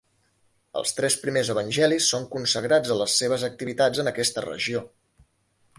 Els tres primers evangelis són consagrats a les seves activitats en aquesta regió.